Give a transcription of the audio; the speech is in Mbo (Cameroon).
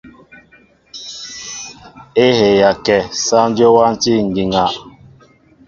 É heya kɛ , sááŋ Dyó wátí ŋgiŋa.